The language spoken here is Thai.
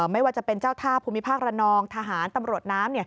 ไม่ว่าจะเป็นเจ้าท่าภูมิภาคระนองทหารตำรวจน้ำ